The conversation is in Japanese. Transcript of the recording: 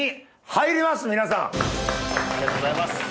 ありがとうございます。